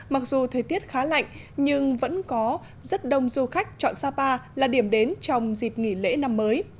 mặc dù thời tiết khá lạnh nhưng vẫn có rất đông du khách chọn sapa là điểm đến trong dịp nghỉ lễ năm mới